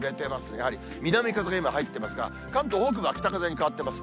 やはり南風が今、入ってますが、関東北部は北風に変わってます。